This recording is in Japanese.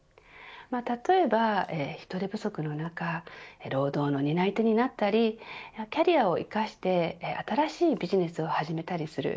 例えば、人手不足の中労働の担い手になったりキャリアを生かして、新しいビジネスを始めたりする。